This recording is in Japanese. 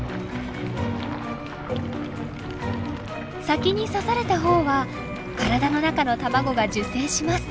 先に刺された方は体の中の卵が受精します。